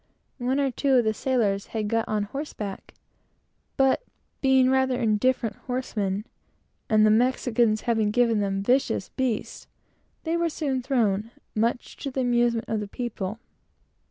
One or two of the sailors had got on horseback, but being rather indifferent horsemen, and the Spaniards having given them vicious horses, they were soon thrown, much to the amusement of the people.